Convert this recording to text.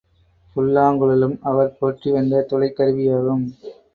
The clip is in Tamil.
புல்லாங்குழலும் அவர் போற்றி வந்த துளைக்கருவியாகும்.